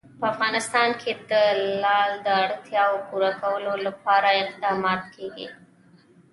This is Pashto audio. په افغانستان کې د لعل د اړتیاوو پوره کولو لپاره اقدامات کېږي.